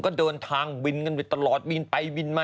ก็เดินทางบินกันไปตลอดบินไปบินมา